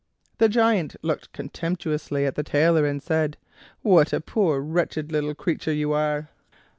The Giant looked contemptuously at the Tailor, and said: "What a poor, wretched little creature you are!"